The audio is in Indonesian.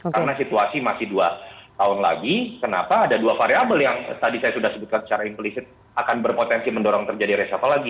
karena situasi masih dua tahun lagi kenapa ada dua variable yang tadi saya sudah sebutkan secara implicit akan berpotensi mendorong terjadi reshuffle lagi